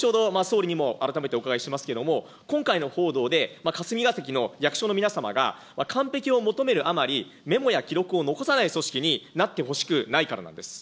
これ後ほど総理にも改めてお伺いしますけれども、今回の報道で、霞が関の役所の皆様が、完璧を求めるあまり、メモや記録を残さない組織になってほしくないからなんです。